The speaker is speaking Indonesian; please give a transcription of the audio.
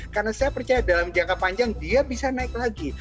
karena saya percaya dalam jangka panjang dia bisa naik lagi